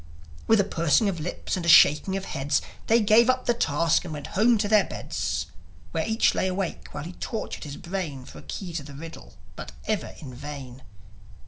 With a pursing of lips and a shaking of heads, They gave up the task and went home to their beds, Where each lay awake while he tortured his brain For a key to the riddle, but ever in vain